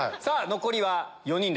残りは４人です。